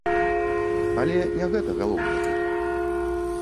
Але не гэта галоўнае тут.